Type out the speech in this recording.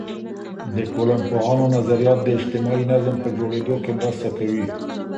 د ټولنپوهانو نظریات د اجتماعي نظم په جوړیدو کي مرسته کوي.